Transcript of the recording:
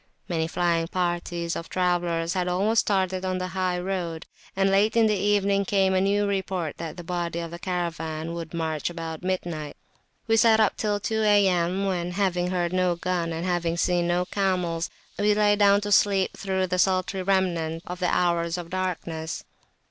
Many flying parties of travellers had almost started on the high road, and late in the evening came a new report that the body of the Caravan would march about midnight. We sat up till about two A.M., when, having heard no gun, and having seen no camels, we lay down to sleep through the sultry remnant of the hours of darkness.